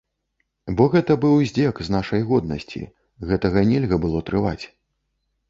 Бо гэта быў здзек з нашай годнасці, гэтага нельга было трываць.